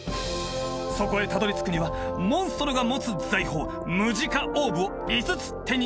そこへたどりつくにはモンストロが持つ財宝ムジカオーブを５つ手に入れる必要がある。